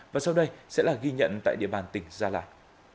và sau đây sẽ là ghi nhận tại địa bàn tỉnh gia lai